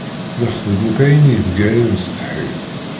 Nexdem akk ayen ideg ara nessetḥi.